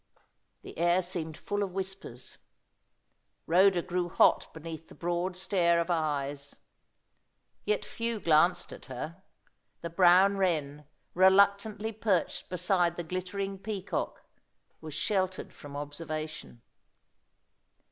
The air seemed full of whispers. Rhoda grew hot beneath the broad stare of eyes. Yet few glanced at her; the brown wren, reluctantly perched beside the glittering peacock, was sheltered from observation.